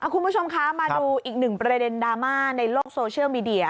คุณผู้ชมคะมาดูอีกหนึ่งประเด็นดราม่าในโลกโซเชียลมีเดีย